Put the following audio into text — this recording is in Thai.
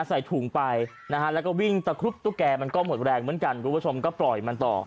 ใส่ถุงไปนะฮะแล้วก็วิ่งตะครุบตุ๊กแกมันก็หมดแรงเหมือนกันคุณผู้ชมก็ปล่อยมันต่อ